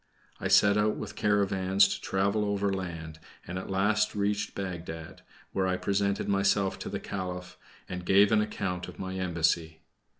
I set out with caravans to travel overland, and at last reached Bagdad, where I presented myself to the Caliph, and gave an account of my embassy.